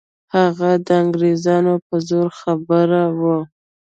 هغه د انګریزانو په زور خبر وو.